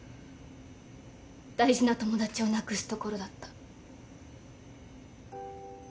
大事な友達をなくすところだった。